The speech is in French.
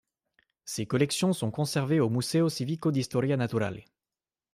Ses collections sont conservées au Museo civico di Storia Naturale.